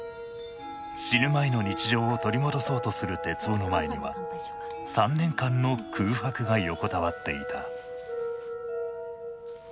死ぬ前の日常を取り戻そうとする徹生の前には３年間の空白が横たわっていた。